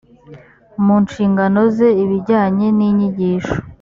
mu nshingano ze ibijyanye n inyigisho